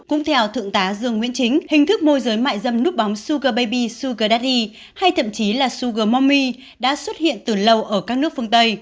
cũng theo thượng tá dương nguyễn chính hình thức môi giới mại dâm núp bóng sugar baby sugar daddy hay thậm chí là sugar mommy đã xuất hiện từ lâu ở các nước phương tây